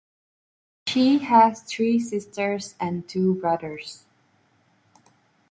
She has three sisters and two brothers.